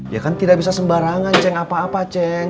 ya kan tidak bisa sembarangan ceng apa apa ceng